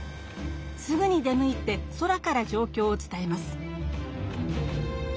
すぐに出向いて空からじょうきょうを伝えます。